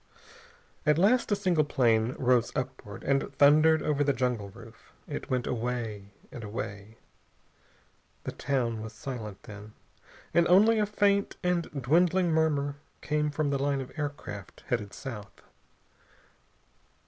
At last a single plane rose upward and thundered over the jungle roof. It went away, and away.... The town was silent, then, and only a faint and dwindling murmur came from the line of aircraft headed south.